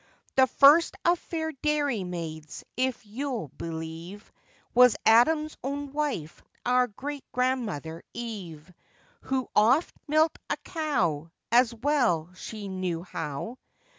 The first of fair dairy maids, if you'll believe, Was Adam's own wife, our great grandmother Eve, Who oft milked a cow, As well she knew how.